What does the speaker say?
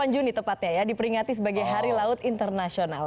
delapan juni tepatnya ya diperingati sebagai hari laut internasional